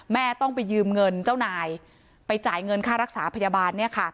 แม่ต้องไปยืมเงินเจ้านายไปจ่ายเงินค่ารักษาพยาบาล